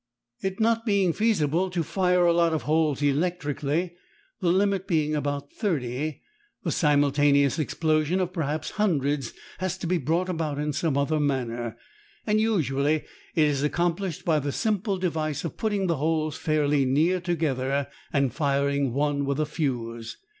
It not being feasible to fire a lot of holes electrically, the limit being about thirty, the simultaneous explosion of perhaps hundreds has to be brought about in some other manner, and usually it is accomplished by the simple device of putting the holes fairly near together and firing one with a fuse.